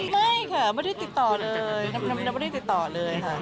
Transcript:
ไม่ค่ะไม่ได้ติดต่อเลยยังไม่ได้ติดต่อเลยค่ะ